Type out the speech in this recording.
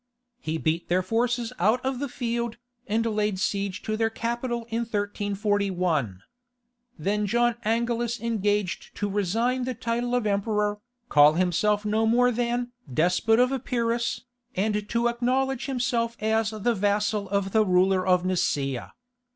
He beat their forces out of the field, and laid siege to their capital in 1341. Then John Angelus engaged to resign the title of emperor, call himself no more than "despot of Epirus," and to acknowledge himself as the vassal of the ruler of Nicaea.